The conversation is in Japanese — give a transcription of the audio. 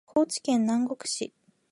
高知県南国市